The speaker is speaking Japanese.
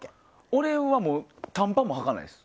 俺は短パンもはかないです。